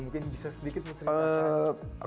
mungkin bisa sedikit menceritakan